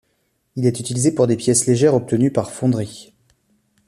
Il est utilisé pour des pièces légères obtenues par fonderie.